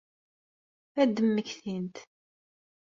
Ad d-mmektint.